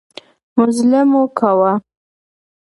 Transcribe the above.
مزلمو کاوه.